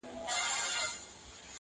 ګوندي نن وي که سبا څانګه پیدا کړي!!